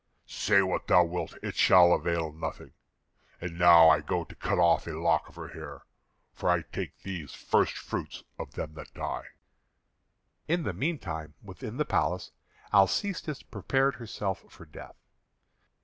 "Say what thou wilt; it shall avail nothing. And now I go to cut off a lock of her hair, for I take these first fruits of them that die." In the meantime, within the palace, Alcestis prepared herself for death.